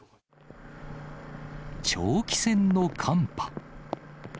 長期戦の寒波。